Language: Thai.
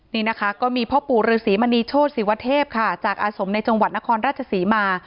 นี่นะคะก็มีพ่อปู่ฤษีมณีโชธศิวเทพค่ะจากอาสมในจังหวัดนครราชศรีมา